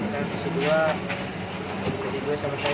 kisah dua kisah dua sama saya